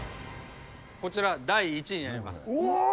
こちら、第１位になります。